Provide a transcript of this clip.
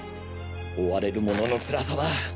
追われるもののつらさは。